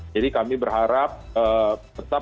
jadi kami berharap tetap